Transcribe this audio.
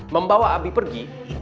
membawa abi pergi